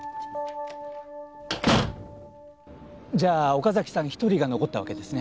じゃあ岡崎さん１人が残ったわけですね